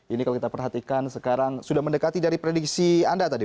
ini kalau kita perhatikan sekarang sudah mendekati dari prediksi anda tadi